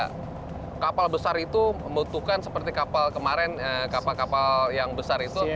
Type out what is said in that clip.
karena kapal besar itu membutuhkan seperti kapal kemarin kapal kapal yang besar itu